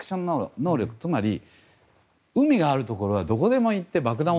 海があるところはどこでも行って爆弾